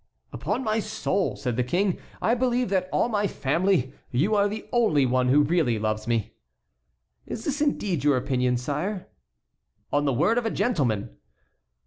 "Upon my soul," said the King, "I believe that of all my family you are the only one who really loves me." "Is this indeed your opinion, sire?" "On the word of a gentleman."